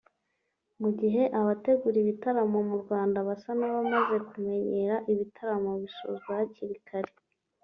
Mugihe abategura ibitaramo mu Rwanda basa n’abamaze kumenyera ibitaramo bisonzwa hakiri kare